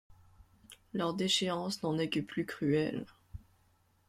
Leur déchéance n'en est que plus cruelle.